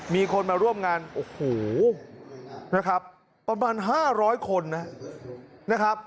มีคนมาร่วมงานโอ้โหนะครับประมาณ๕๐๐คนนะครับ